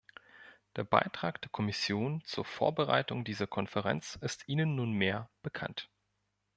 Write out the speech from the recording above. Der Beitrag der Kommission zur Vorbereitung dieser Konferenz ist Ihnen nunmehr bekannt.